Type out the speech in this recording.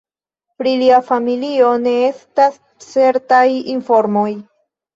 Pri lia familio ne estas certaj informoj.